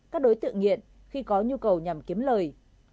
các đối tượng nghiện khi có nhu cầu nhằm kiếm lời